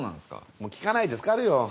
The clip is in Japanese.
もう聞かないでつかるよ。